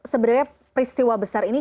sebenarnya peristiwa besar ini